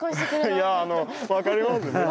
いやあの分かりますよ。